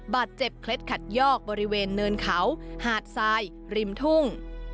เคล็ดขัดยอกบริเวณเนินเขาหาดทรายริมทุ่ง